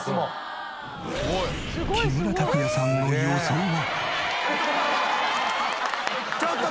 木村拓哉さんの予想は？